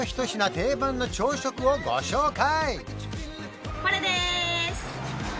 定番の朝食をご紹介！